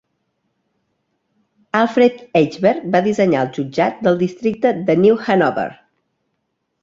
Alfred Eichberg va dissenyar el jutjat del districte de New Hanover.